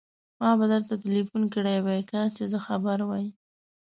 ما به درته ټليفون کړی وای، کاش چې زه خبر وای.